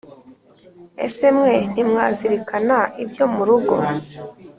ese mwe ntimwazirikana ibyo mu rugo